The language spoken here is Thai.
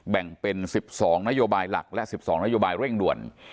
แบ่งเป็น๑๒นโยบายหลักและ๑๒นโยบายเร่งด่วน